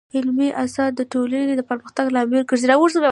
علمي اثار د ټولنې د پرمختګ لامل ګرځي.